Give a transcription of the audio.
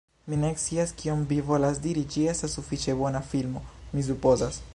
Mi ne scias kion mi volas diri ĝi estas sufiĉe bona filmo, mi supozas